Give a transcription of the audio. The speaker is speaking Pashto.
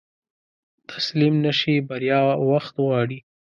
تسليم نشې، بريا وخت غواړي.